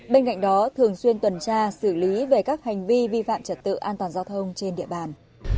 bên cạnh đó thường xuyên tuần tra xử lý về các hành vi vi phạm trật tự an toàn giao thông trên địa bàn